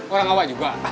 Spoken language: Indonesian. orang awal juga